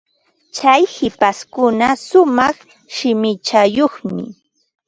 Tsay hipashpuka shumaq shimichayuqmi.